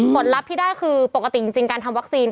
ลัพธ์ที่ได้คือปกติจริงการทำวัคซีน